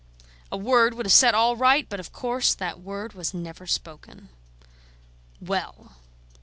A word would have set all right; but of course that word was never spoken. Well!